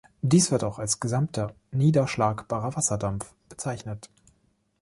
Dies wird auch als „gesamter niederschlagbarer Wasserdampf“ bezeichnet.